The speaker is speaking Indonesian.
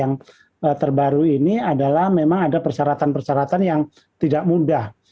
yang terbaru ini adalah memang ada persyaratan persyaratan yang tidak mudah